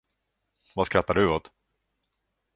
Vad skrattar du åt?